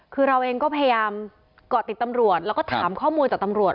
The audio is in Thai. คือเราเองก็พยายามเกาะติดตำรวจแล้วก็ถามข้อมูลจากตำรวจ